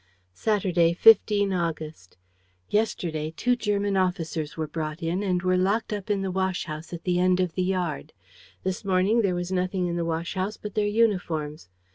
... "Saturday, 15 August. "Yesterday, two German officers were brought in and were locked up in the wash house, at the end of the yard. This morning, there was nothing in the wash house but their uniforms.